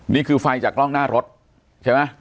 นี่คือไฟจากกล้องหน้ารถใช่ไหม